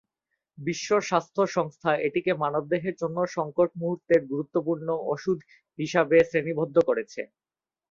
বিশ্ব স্বাস্থ্য সংস্থা এটিকে মানবদেহের জন্য সংকট মুহুর্তের গুরুত্বপূর্ণ ওষুধ হিসাবে শ্রেণীবদ্ধ করেছে।